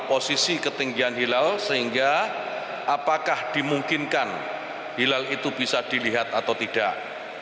posisi ketinggian hilal sehingga apakah dimungkinkan hilal itu bisa dilihat atau tidak